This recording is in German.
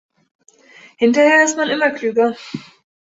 Hinterher ist man immer klüger.